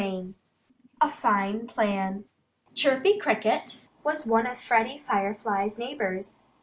II A FINE PLAN Chirpy Cricket was one of Freddie Firefly's neighbors.